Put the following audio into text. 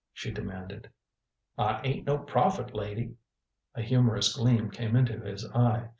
she demanded. "I ain't no prophet, lady." A humorous gleam came into his eye.